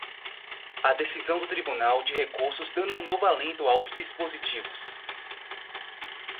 a decisão do Tribunal de Recursos dando novo alento aos dispositivos